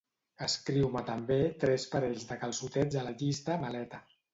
Escriu-me també tres parells de calçotets a la llista "maleta".